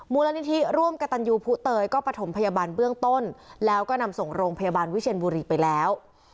มูลนิธิร่วมกระตันยูภูเตยก็ประถมพยาบาลเบื้องต้นแล้วก็นำส่งโรงพยาบาลวิเชียนบุรีไปแล้ว